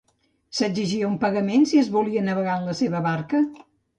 S'exigia un pagament si es volia navegar en la seva barca?